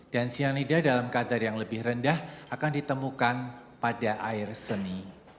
dan cyanida dalam kadar yang lebih rendah akan ditemukan pada air seni